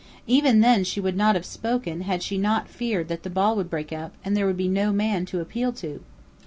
Even then she would not have spoken had she not feared that the ball would break up, and there would be no man to appeal to!